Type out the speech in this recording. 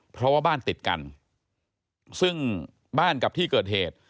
เพราะว่าบ้านติดกันซึ่งบ้านกับที่เกิดเหตุ